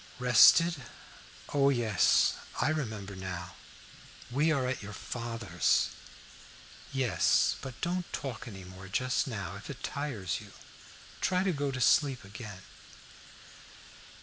"Rested? O, yes, I remember now. We are at your father's." "Yes; but don't talk any more just now, if it tires you. Try to go to sleep again."